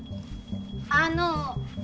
あの。